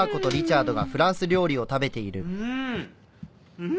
うん。